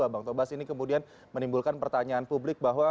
bang tobas ini kemudian menimbulkan pertanyaan publik bahwa